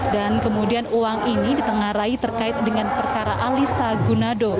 dan kemudian uang ini ditengarai terkait dengan perkara alisa gunado